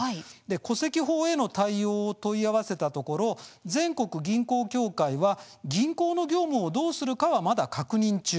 戸籍法への対応も問い合わせたところ全国銀行協会は銀行の業務をどうするかはまだ確認中。